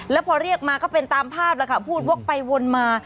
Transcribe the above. แล้วพอเรียกมาก็เป็นตามภาพแล้วค่ะพูดวกไปวนมา